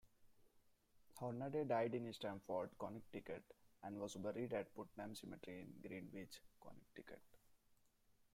Hornaday died in Stamford, Connecticut and was buried at Putnam Cemetery in Greenwich, Connecticut.